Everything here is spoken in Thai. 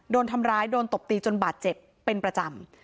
โดนทำร้ายโดนตบตีจนบาดเจ็บเป็นประจำ